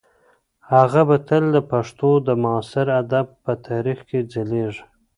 هغه به تل د پښتو د معاصر ادب په تاریخ کې ځلیږي.